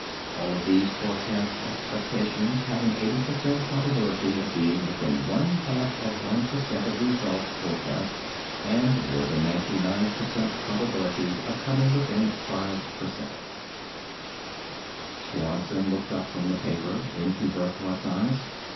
All of these forecast expectations have an 80% probability of being within one half of one per cent of results forecast, and more than 99% probability of coming within 5%. Swanson looked up from the paper into Burckhardt's eyes.